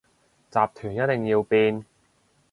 集團一定要變